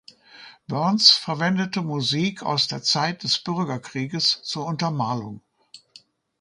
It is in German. Burns verwendete Musik aus der Zeit des Bürgerkrieges zur Untermalung.